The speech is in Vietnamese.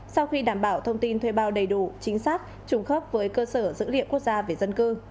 sau khi đảm bảo thông tin thuê bao đầy đủ chính xác trùng khớp với cơ sở dữ liệu quốc gia về dân cư